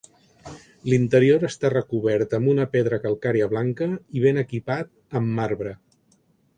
L'interior està recobert amb una pedra calcària blanca i ben equipat amb marbre.